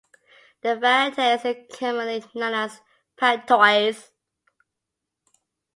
The varieties are commonly known as "patois".